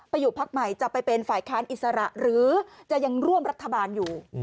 อยู่พักใหม่จะไปเป็นฝ่ายค้านอิสระหรือจะยังร่วมรัฐบาลอยู่